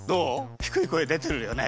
ひくい声でてるよね？